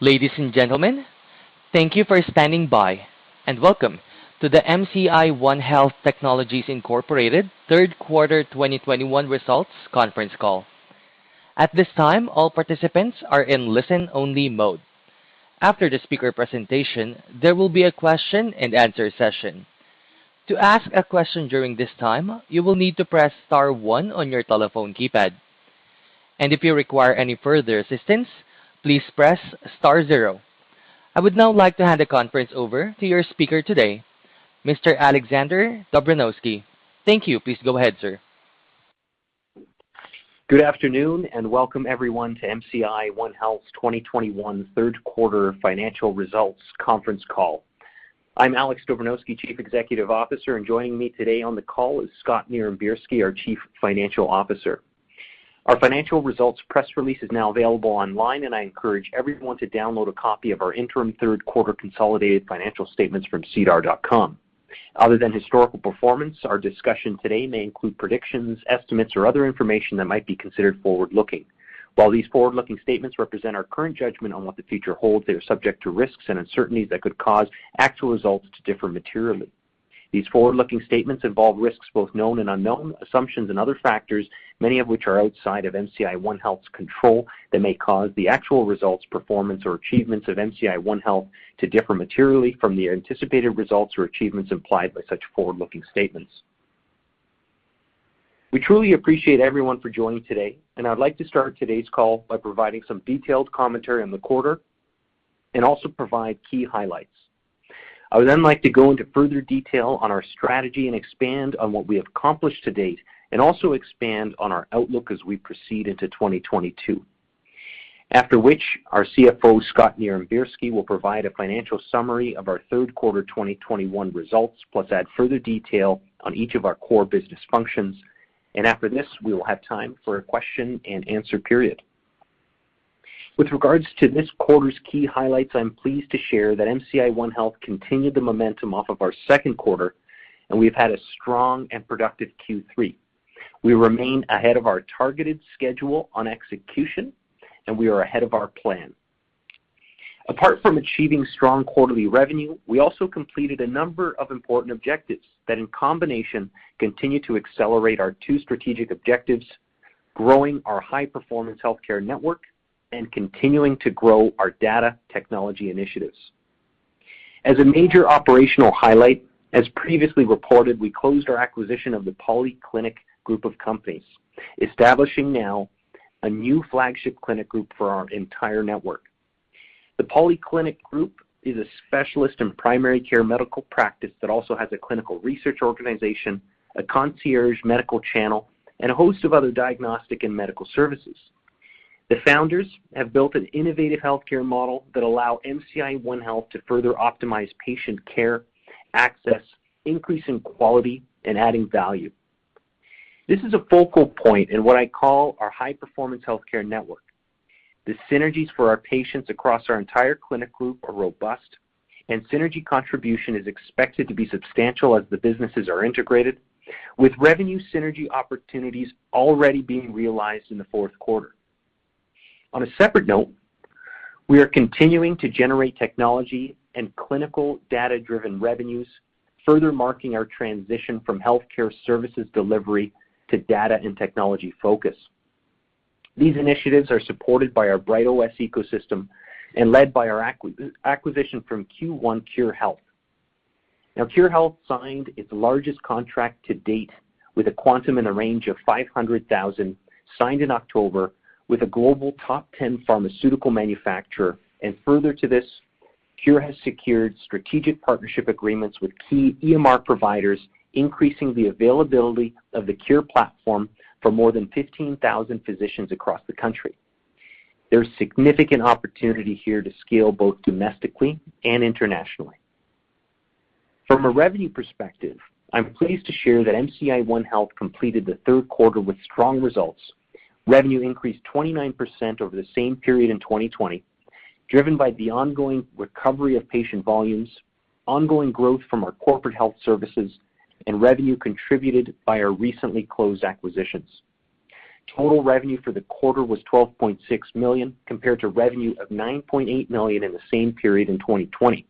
Ladies and gentlemen, thank you for standing by, and welcome to the MCI Onehealth Technologies Inc. Q3 2021 results conference call. At this time, all participants are in listen-only mode. After the speaker presentation, there will be a question and answer session. To ask a question during this time, you will need to press star one on your telephone keypad. If you require any further assistance, please press star zero. I would now like to hand the conference over to your speaker today, Mr. Alexander Dobranowski. Thank you. Please go ahead, sir. Good afternoon, and welcome everyone to MCI Onehealth 2021 Q3 financial results conference call. I'm Alex Dobranowski, Chief Executive Officer, and joining me today on the call is Scott Nirenberski, our Chief Financial Officer. Our financial results press release is now available online, and I encourage everyone to download a copy of our interim Q3 consolidated financial statements from sedar.com. Other than historical performance, our discussion today may include predictions, estimates, or other information that might be considered forward-looking. While these forward-looking statements represent our current judgment on what the future holds, they are subject to risks and uncertainties that could cause actual results to differ materially. These forward-looking statements involve risks both known and unknown assumptions and other factors, many of which are outside of MCI Onehealth's control that may cause the actual results, performance, or achievements of MCI Onehealth to differ materially from the anticipated results or achievements implied by such forward-looking statements. We truly appreciate everyone for joining today, and I'd like to start today's call by providing some detailed commentary on the quarter and also provide key highlights. I would then like to go into further detail on our strategy and expand on what we have accomplished to date and also expand on our outlook as we proceed into 2022. After which, our CFO, Scott Nirenberski, will provide a financial summary of our Q3 2021 results, plus add further detail on each of our core business functions. After this, we will have time for a question and answer period. With regards to this quarter's key highlights, I'm pleased to share that MCI Onehealth continued the momentum off of our Q2, and we've had a strong and productive Q3. We remain ahead of our targeted schedule on execution, and we are ahead of our plan. Apart from achieving strong quarterly revenue, we also completed a number of important objectives that in combination, continue to accelerate our two strategic objectives, growing our high-performance healthcare network and continuing to grow our data technology initiatives. As a major operational highlight, as previously reported, we closed our acquisition of the Polyclinic group of companies, establishing now a new flagship clinic group for our entire network. The Polyclinic group is a specialist in primary care medical practice that also has a clinical research organization, a concierge medical channel, and a host of other diagnostic and medical services. The founders have built an innovative healthcare model that allow MCI Onehealth to further optimize patient care, access, increasing quality and adding value. This is a focal point in what I call our high performance healthcare network. The synergies for our patients across our entire clinic group are robust and synergy contribution is expected to be substantial as the businesses are integrated with revenue synergy opportunities already being realized in the Q4. On a separate note, we are continuing to generate technology and clinical data-driven revenues, further marking our transition from healthcare services delivery to data and technology focus. These initiatives are supported by our BrightOS ecosystem and led by our acquisition from Q1 Khure Health. Now, Khure Health signed its largest contract to date with an amount in a range of 500,000, signed in October with a global top ten pharmaceutical manufacturer. Further to this, Khure has secured strategic partnership agreements with key EMR providers, increasing the availability of the Khure platform for more than 15,000 physicians across the country. There's significant opportunity here to scale both domestically and internationally. From a revenue perspective, I'm pleased to share that MCI Onehealth completed the Q3 with strong results. Revenue increased 29% over the same period in 2020, driven by the ongoing recovery of patient volumes, ongoing growth from our corporate health services, and revenue contributed by our recently closed acquisitions. Total revenue for the quarter was 12.6 million, compared to revenue of 9.8 million in the same period in 2020.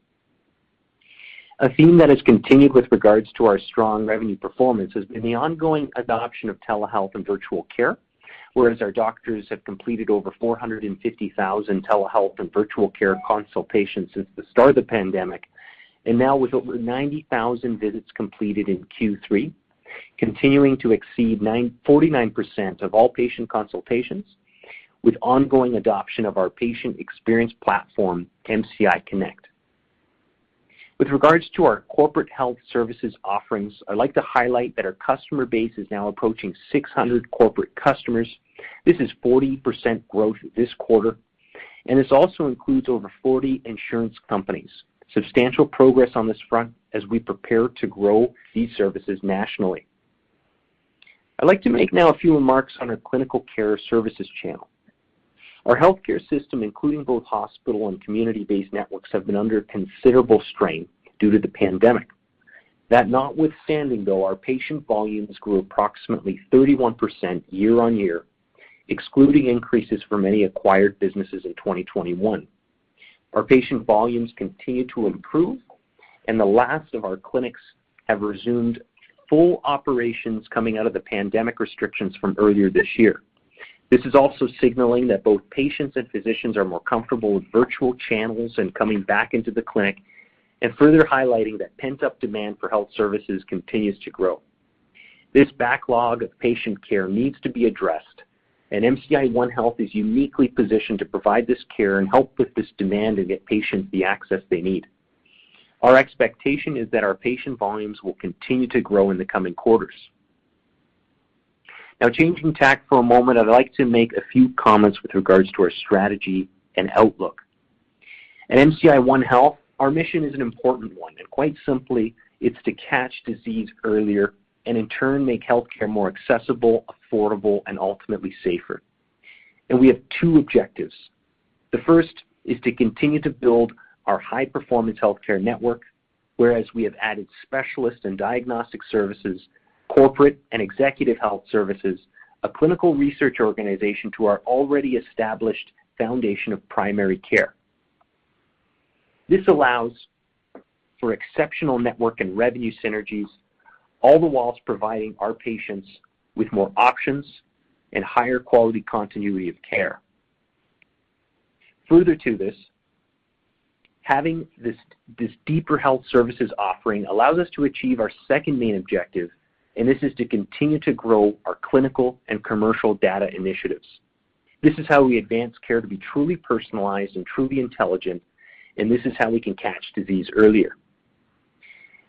A theme that has continued with regards to our strong revenue performance has been the ongoing adoption of telehealth and virtual care, whereas our doctors have completed over 450,000 telehealth and virtual care consultations since the start of the pandemic. Now with over 90,000 visits completed in Q3, continuing to exceed 99% of all patient consultations with ongoing adoption of our patient experience platform, MCI Connect. With regards to our corporate health services offerings, I'd like to highlight that our customer base is now approaching 600 corporate customers. This is 40% growth this quarter, and this also includes over 40 insurance companies. Substantial progress on this front as we prepare to grow these services nationally. I'd like to make now a few remarks on our clinical care services channel. Our healthcare system, including both hospital and community-based networks, have been under considerable strain due to the pandemic. That notwithstanding though, our patient volumes grew approximately 31% year-over-year, excluding increases for many acquired businesses in 2021. Our patient volumes continue to improve and the last of our clinics have resumed full operations coming out of the pandemic restrictions from earlier this year. This is also signaling that both patients and physicians are more comfortable with virtual channels and coming back into the clinic and further highlighting that pent-up demand for health services continues to grow. This backlog of patient care needs to be addressed, and MCI Onehealth is uniquely positioned to provide this care and help with this demand and get patients the access they need. Our expectation is that our patient volumes will continue to grow in the coming quarters. Now changing tack for a moment, I'd like to make a few comments with regards to our strategy and outlook. At MCI Onehealth, our mission is an important one, and quite simply, it's to catch disease earlier and in turn, make healthcare more accessible, affordable and ultimately safer. We have two objectives. The first is to continue to build our high-performance healthcare network, whereas we have added specialist and diagnostic services, corporate and executive health services, a clinical research organization to our already established foundation of primary care. This allows for exceptional network and revenue synergies, all the while providing our patients with more options and higher quality continuity of care. Further to this, having this deeper health services offering allows us to achieve our second main objective, and this is to continue to grow our clinical and commercial data initiatives. This is how we advance care to be truly personalized and truly intelligent, and this is how we can catch disease earlier.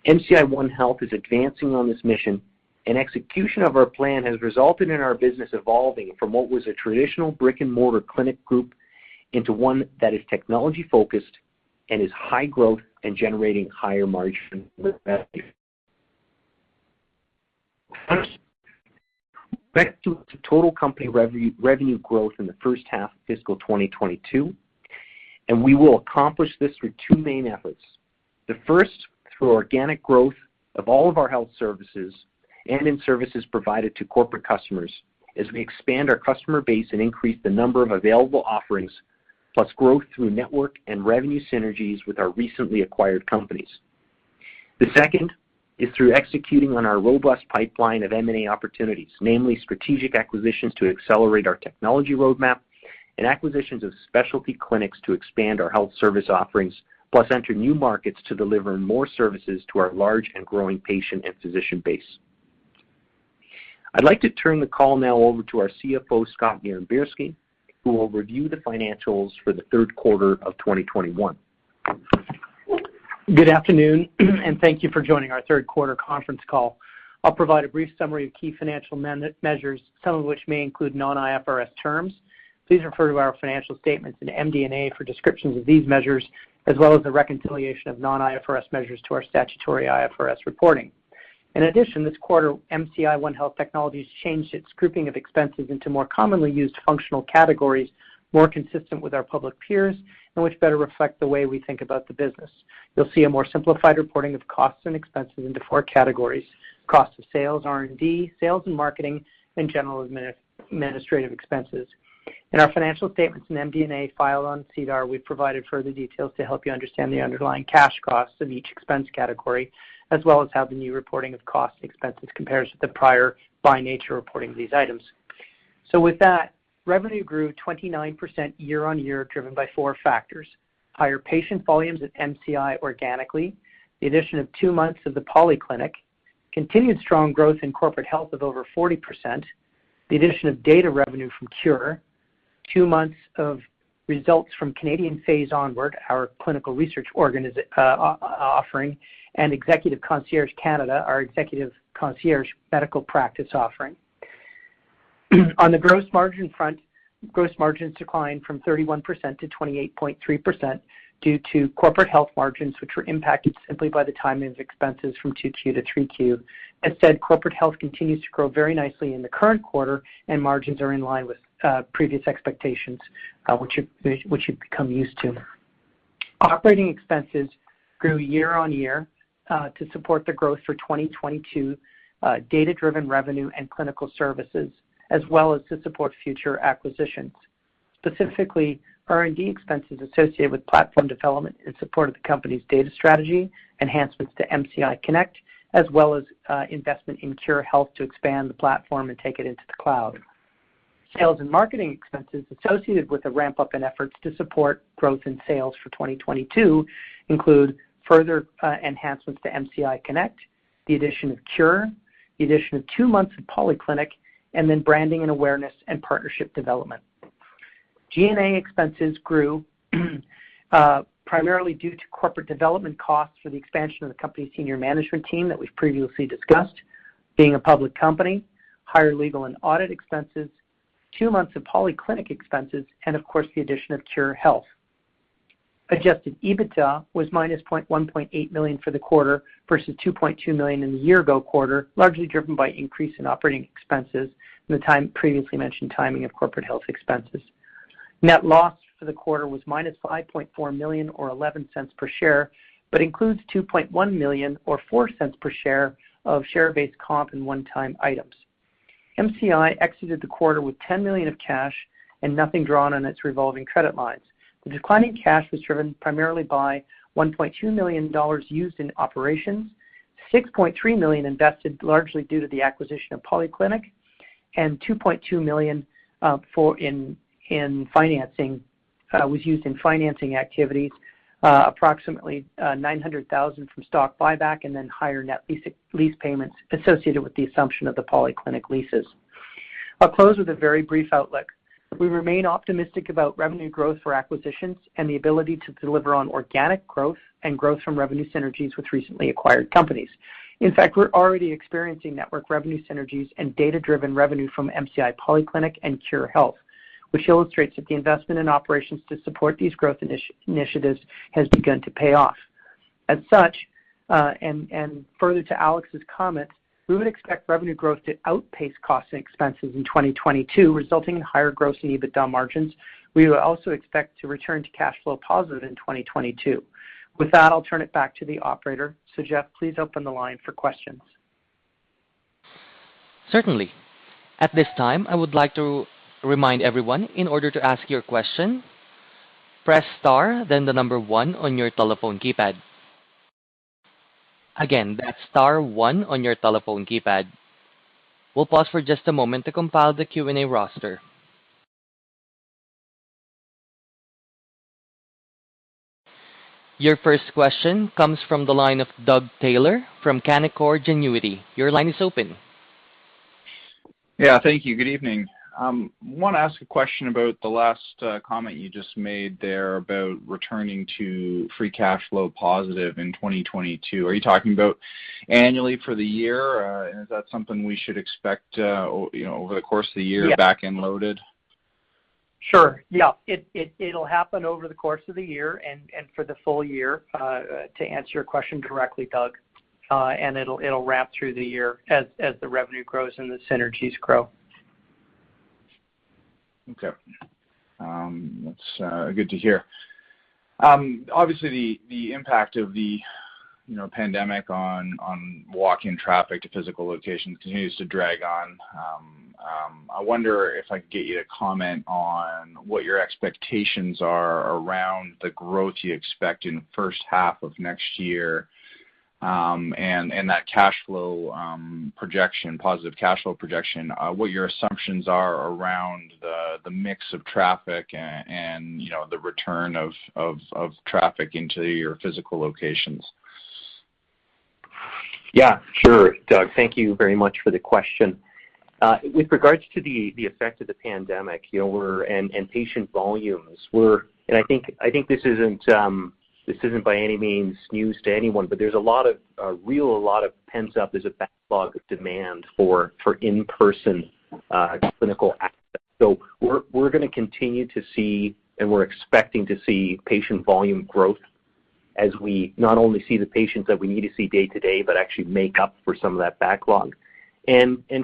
MCI Onehealth is advancing on this mission, and execution of our plan has resulted in our business evolving from what was a traditional brick-and-mortar clinic group into one that is technology-focused and is high growth and generating higher margin with backlog to total company revenue growth in the first half of fiscal 2022, and we will accomplish this through two main efforts. The first, through organic growth of all of our health services and in services provided to corporate customers as we expand our customer base and increase the number of available offerings, plus growth through network and revenue synergies with our recently acquired companies. The second is through executing on our robust pipeline of M&A opportunities, namely strategic acquisitions to accelerate our technology roadmap and acquisitions of specialty clinics to expand our health service offerings, plus enter new markets to deliver more services to our large and growing patient and physician base. I'd like to turn the call now over to our CFO, Scott Nirenberski, who will review the financials for the Q3 of 2021. Good afternoon and thank you for joining our Q3 conference call. I'll provide a brief summary of key financial measures, some of which may include non-IFRS terms. Please refer to our financial statements and MD&A for descriptions of these measures, as well as the reconciliation of non-IFRS measures to our statutory IFRS reporting. In addition, this quarter, MCI Onehealth Technologies changed its grouping of expenses into more commonly used functional categories, more consistent with our public peers, and which better reflect the way we think about the business. You'll see a more simplified reporting of costs and expenses into four categories: cost of sales, R&D, sales and marketing, and general administrative expenses. In our financial statements and MD&A filed on SEDAR, we've provided further details to help you understand the underlying cash costs of each expense category, as well as how the new reporting of cost expenses compares to the prior by nature reporting of these items. Revenue grew 29% year-on-year, driven by four factors, higher patient volumes at MCI organically, the addition of two months of the Polyclinic, continued strong growth in corporate health of over 40%, the addition of data revenue from Khure, two months of results from Canadian Phase Onward, our clinical research offering, and Executive Concierge Canada, our executive concierge medical practice offering. On the gross margin front, gross margins declined from 31% to 28.3% due to corporate health margins, which were impacted simply by the timing of expenses from Q2 to Q3. Instead, corporate health continues to grow very nicely in the current quarter, and margins are in line with previous expectations, which you've become used to. Operating expenses grew year-over-year to support the growth for 2022 data-driven revenue and clinical services, as well as to support future acquisitions. Specifically, R&D expenses associated with platform development in support of the company's data strategy, enhancements to MCI Connect, as well as investment in Khure Health to expand the platform and take it into the cloud. Sales and marketing expenses associated with the ramp-up in efforts to support growth in sales for 2022 include further enhancements to MCI Connect, the addition of Khure, the addition of two months of Polyclinic, and then branding and awareness and partnership development. G&A expenses grew primarily due to corporate development costs for the expansion of the company's senior management team that we've previously discussed, being a public company, higher legal and audit expenses, two months of Polyclinic expenses, and of course, the addition of Khure Health. Adjusted EBITDA was -0.18 million for the quarter versus 2.2 million in the year-ago quarter, largely driven by increase in operating expenses and the previously mentioned timing of Khure Health expenses. Net loss for the quarter was -5.4 million or 0.11 per share, but includes 2.1 million or 0.04 per share of share-based comp and one-time items. MCI exited the quarter with 10 million of cash and nothing drawn on its revolving credit lines. The declining cash was driven primarily by 1.2 million dollars used in operations, 6.3 million invested largely due to the acquisition of Polyclinic, and 2.2 million in financing was used in financing activities, approximately 900,000 from stock buyback and then higher net lease payments associated with the assumption of the Polyclinic leases. I'll close with a very brief outlook. We remain optimistic about revenue growth for acquisitions and the ability to deliver on organic growth and growth from revenue synergies with recently acquired companies. In fact, we're already experiencing network revenue synergies and data-driven revenue from MCI Polyclinic and Khure Health, which illustrates that the investment in operations to support these growth initiatives has begun to pay off. As such, and further to Alex's comments, we would expect revenue growth to outpace costs and expenses in 2022, resulting in higher gross and EBITDA margins. We would also expect to return to cash flow positive in 2022. With that, I'll turn it back to the operator. Jeff, please open the line for questions. Certainly. At this time, I would like to remind everyone in order to ask your question, press star then the number one on your telephone keypad. Again, that's star one on your telephone keypad. We'll pause for just a moment to compile the Q&A roster. Your first question comes from the line of Doug Taylor from Canaccord Genuity. Your line is open. Yeah. Thank you. Good evening. Wanna ask a question about the last comment you just made there about returning to free cash flow positive in 2022. Are you talking about annually for the year? And is that something we should expect, you know, over the course of the year? Yes Back-end loaded? Sure. Yeah. It'll happen over the course of the year and for the full year to answer your question correctly, Doug. It'll ramp through the year as the revenue grows and the synergies grow. Okay. That's good to hear. Obviously the impact of the, you know, pandemic on walk-in traffic to physical locations continues to drag on. I wonder if I can get you to comment on what your expectations are around the growth you expect in the first half of next year, and that cash flow projection, positive cash flow projection, what your assumptions are around the mix of traffic and, you know, the return of traffic into your physical locations. Yeah, sure. Doug, thank you very much for the question. With regards to the effect of the pandemic and patient volumes, you know, I think this isn't by any means news to anyone, but there's a real lot of pent up. There's a backlog of demand for in-person clinical access. We're gonna continue to see, and we're expecting to see patient volume growth as we not only see the patients that we need to see day-to-day, but actually make up for some of that backlog.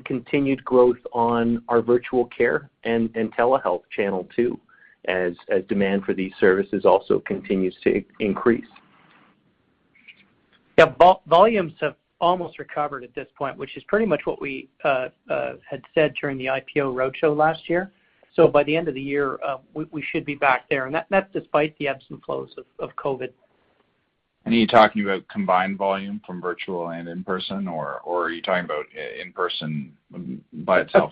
Continued growth on our virtual care and telehealth channel too, as demand for these services also continues to increase. Yeah. Volumes have almost recovered at this point, which is pretty much what we had said during the IPO roadshow last year. By the end of the year, we should be back there. That's despite the ebbs and flows of COVID. Are you talking about combined volume from virtual and in-person or are you talking about in-person by itself?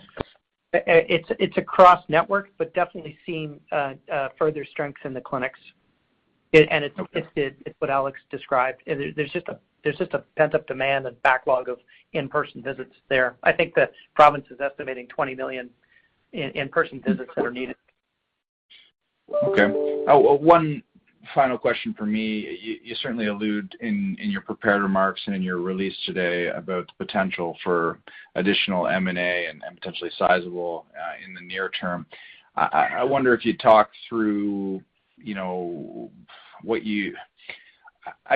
It's across network, but definitely seeing further strengths in the clinics. Okay It's what Alex described. There, there's just a pent-up demand and backlog of in-person visits there. I think the province is estimating 20 million in-person visits that are needed. Okay. One final question from me. You certainly allude in your prepared remarks and in your release today about the potential for additional M&A and potentially sizable in the near term. I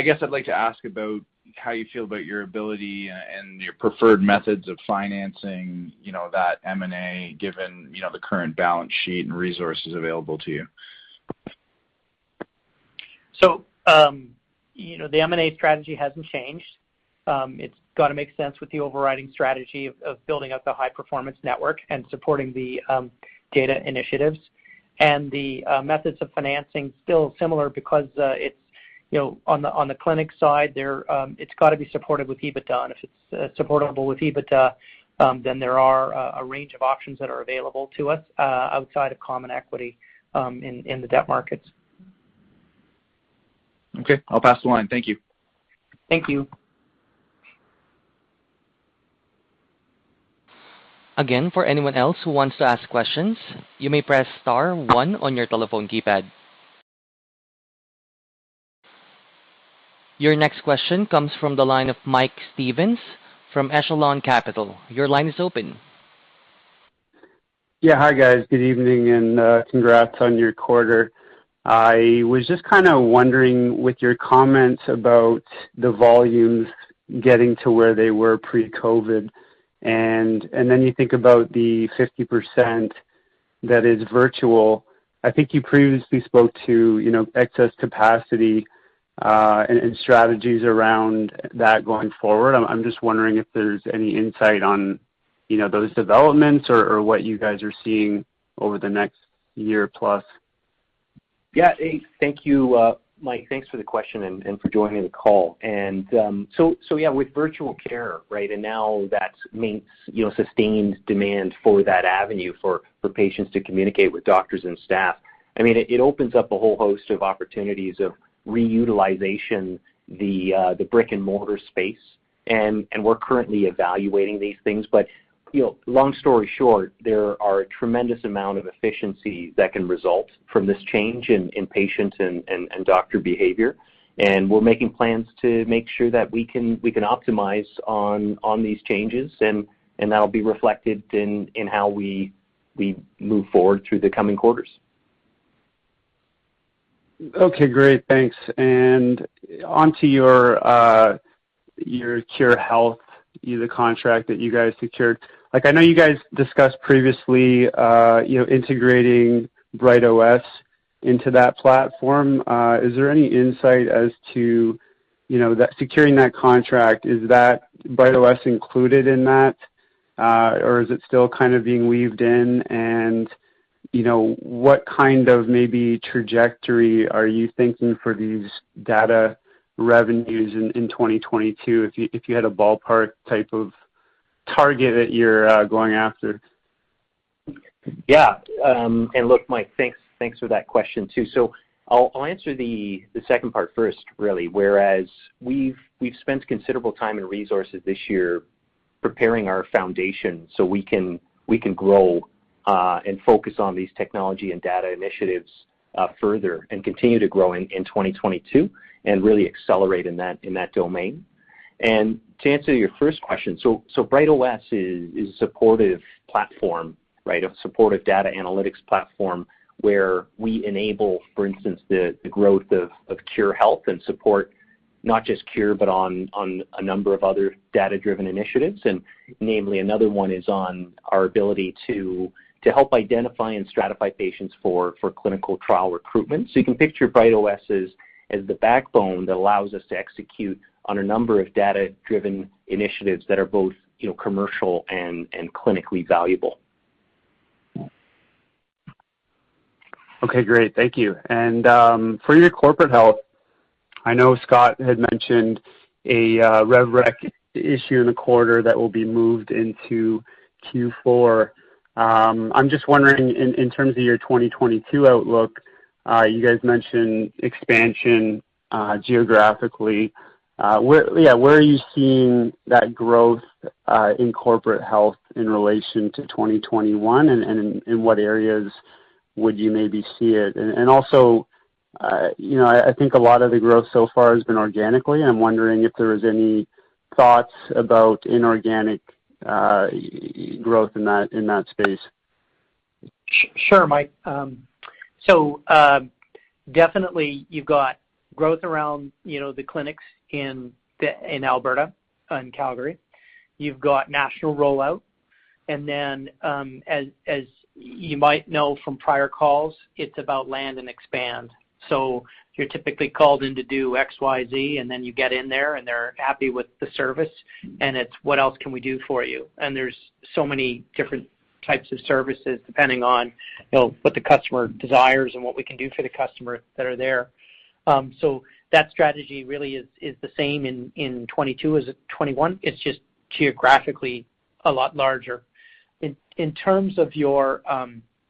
guess I'd like to ask about how you feel about your ability and your preferred methods of financing, you know, that M&A given, you know, the current balance sheet and resources available to you. You know, the M&A strategy hasn't changed. It's got to make sense with the overriding strategy of building out the high performance network and supporting the data initiatives. The methods of financing still similar because it's, you know, on the clinic side there, it's got to be supported with EBITDA. If it's supportable with EBITDA, then there are a range of options that are available to us outside of common equity in the debt markets. Okay. I'll pass the line. Thank you. Thank you. Again, for anyone else who wants to ask questions, you may press star one on your telephone keypad. Your next question comes from the line of Mike Stevens from Echelon Capital. Your line is open. Yeah. Hi, guys. Good evening and, congrats on your quarter. I was just kind of wondering, with your comments about the volumes getting to where they were pre-COVID. Then you think about the 50% that is virtual. I think you previously spoke to, you know, excess capacity and strategies around that going forward. I'm just wondering if there's any insight on, you know, those developments or what you guys are seeing over the next year plus. Yeah. Hey, thank you, Mike, thanks for the question and for joining the call. Yeah, with virtual care, right? Now that means, you know, sustained demand for that avenue for patients to communicate with doctors and staff. I mean, it opens up a whole host of opportunities of reutilization the brick-and-mortar space. We're currently evaluating these things. You know, long story short, there are a tremendous amount of efficiency that can result from this change in patients and doctor behavior. We're making plans to make sure that we can optimize on these changes and that'll be reflected in how we move forward through the coming quarters. Okay, great. Thanks. Onto your Khure Health, the contract that you guys secured. Like, I know you guys discussed previously, you know, integrating BrightOS into that platform. Is there any insight as to, you know, that securing that contract, is that BrightOS included in that? Or is it still kind of being weaved in? You know, what kind of maybe trajectory are you thinking for these data revenues in 2022 if you had a ballpark type of target that you're going after? Yeah. Look, Mike, thanks for that question too. I'll answer the second part first really. We've spent considerable time and resources this year preparing our foundation so we can grow and focus on these technology and data initiatives further and continue to grow in 2022 and really accelerate in that domain. To answer your first question, BrightOS is a supportive platform, right? A supportive data analytics platform where we enable, for instance, the growth of Khure Health and support not just Khure, but on a number of other data-driven initiatives. Namely another one is on our ability to help identify and stratify patients for clinical trial recruitment. You can picture BrightOS as the backbone that allows us to execute on a number of data-driven initiatives that are both, you know, commercial and clinically valuable. Okay, great. Thank you. For your corporate health, I know Scott had mentioned a rev rec issue in the quarter that will be moved into Q4. I'm just wondering in terms of your 2022 outlook, you guys mentioned expansion geographically. Where are you seeing that growth in corporate health in relation to 2021? In what areas would you maybe see it? Also, you know, I think a lot of the growth so far has been organically, and I'm wondering if there was any thoughts about inorganic growth in that space. Sure, Mike. So, definitely you've got growth around, you know, the clinics in Alberta and Calgary. You've got national rollout. As you might know from prior calls, it's about land and expand. You're typically called in to do X, Y, Z, and then you get in there, and they're happy with the service, and it's what else can we do for you? There's so many different types of services, depending on, you know, what the customer desires and what we can do for the customer that are there. That strategy really is the same in 2022 as in 2021. It's just geographically a lot larger. In terms of your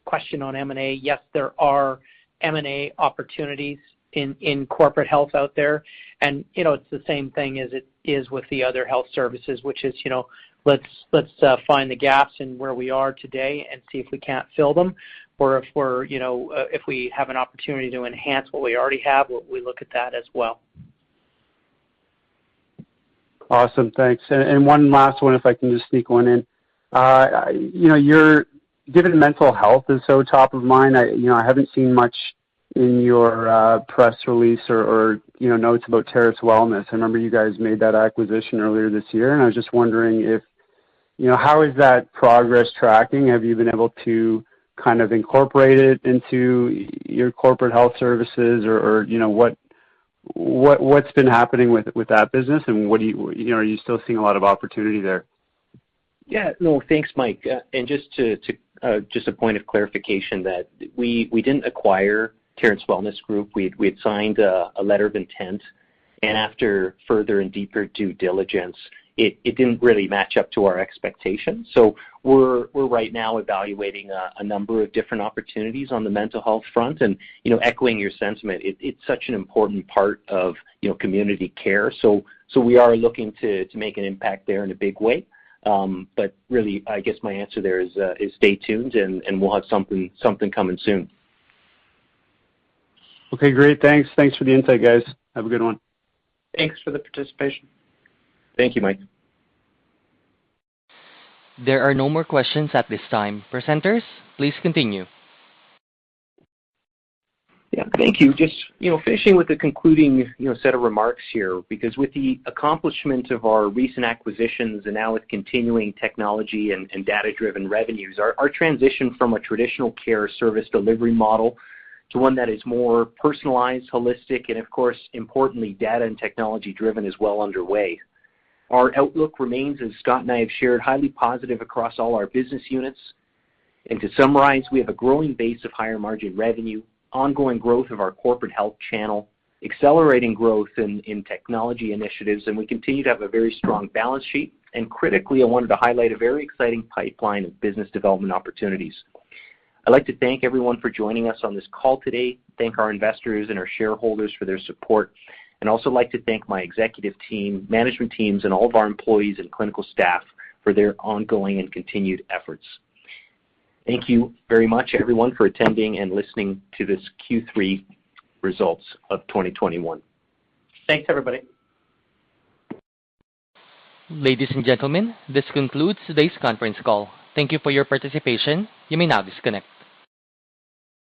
question on M&A, yes, there are M&A opportunities in corporate health out there. You know, it's the same thing as it is with the other health services, which is, you know, let's find the gaps in where we are today and see if we can't fill them or if we're, you know, if we have an opportunity to enhance what we already have, we look at that as well. Awesome. Thanks. One last one, if I can just sneak one in. You know, given mental health is so top of mind, you know, I haven't seen much in your press release or, you know, notes about Terrace Wellness. I remember you guys made that acquisition earlier this year, and I was just wondering if, you know, how is that progress tracking? Have you been able to kind of incorporate it into your corporate health services? Or, you know, what's been happening with that business, and you know, are you still seeing a lot of opportunity there? Yeah. No, thanks, Mike. Just a point of clarification that we didn't acquire Terrace Wellness Group. We had signed a letter of intent, and after further and deeper due diligence, it didn't really match up to our expectations. So we're right now evaluating a number of different opportunities on the mental health front. You know, echoing your sentiment, it's such an important part of community care. So we are looking to make an impact there in a big way. But really, I guess my answer there is stay tuned, and we'll have something coming soon. Okay, great. Thanks. Thanks for the insight, guys. Have a good one. Thanks for the participation. Thank you, Mike. There are no more questions at this time. Presenters, please continue. Yeah. Thank you. Just, you know, finishing with the concluding, you know, set of remarks here. Because with the accomplishment of our recent acquisitions and now with continuing technology and data-driven revenues, our transition from a traditional care service delivery model to one that is more personalized, holistic, and of course, importantly, data and technology-driven is well underway. Our outlook remains, as Scott and I have shared, highly positive across all our business units. To summarize, we have a growing base of higher margin revenue, ongoing growth of our corporate health channel, accelerating growth in technology initiatives, and we continue to have a very strong balance sheet. Critically, I wanted to highlight a very exciting pipeline of business development opportunities. I'd like to thank everyone for joining us on this call today. Thank our investors and our shareholders for their support. I'd also like to thank my executive team, management teams, and all of our employees and clinical staff for their ongoing and continued efforts. Thank you very much, everyone, for attending and listening to this Q3 results of 2021. Thanks, everybody. Ladies and gentlemen, this concludes today's conference call. Thank you for your participation. You may now disconnect.